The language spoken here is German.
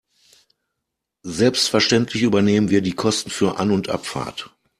Selbstverständlich übernehmen wir die Kosten für An- und Abfahrt.